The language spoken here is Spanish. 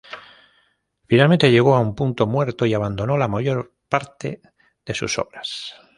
Finalmente llegó a un punto muerto y abandonó la mayor parte de sus obras.